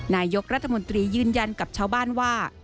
นายกรัฐมนตรียืนยันกับชาวบ้านว่า